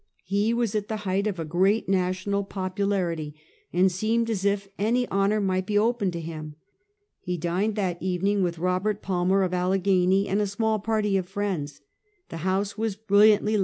He was at the heighth of a great national popularity, and seemed as if any honor might be open to him. He dined that evening with Pobert Palmer, of Allegheny, and a small party of friends. The house was brilliantly 11 162 Half a Centuet.